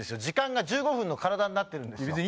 時間が１５分の体になってるんです